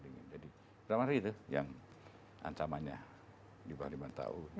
jadi pertama hari itu yang ancamannya dua puluh lima tahun